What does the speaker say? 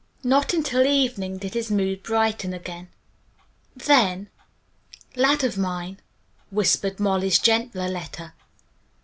Not until evening did his mood brighten again. Then "Lad of Mine," whispered Molly's gentler letter.